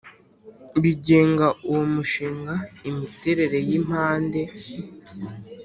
bigenga uwo mushinga Imiterere y impande